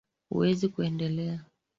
Huwezi kuendelea